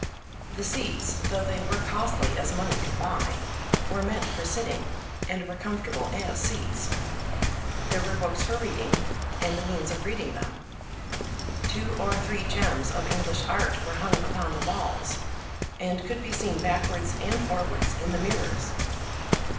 The seats, though they were costly as money could buy, were meant for sitting, and were comfortable as seats. There were books for reading, and the means of reading them. Two or three gems of English art were hung upon the walls, and could be seen backwards and forwards in the mirrors.